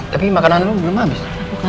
tapi makanan lo belum habis